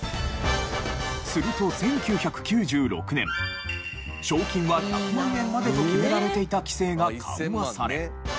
すると１９９６年賞金は１００万円までと決められていた規制が緩和され。